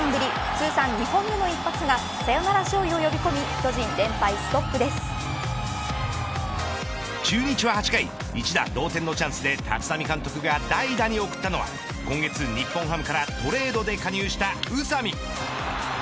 通算２本目の一発がサヨナラ勝利を呼び込み巨中日は８回一打同点のチャンスで立浪監督が代打に送ったのは今月、日本ハムからトレードで加入した宇佐見。